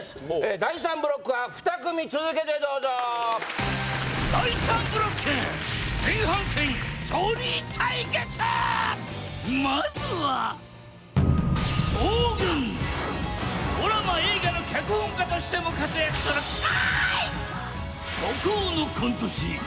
第３ブロックは２組続けてどうぞまずはドラマ映画の脚本家としても活躍する鬼才！